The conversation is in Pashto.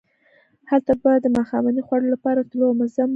هلته به د ماښامنۍ خوړلو لپاره تلو او مزه مو کوله.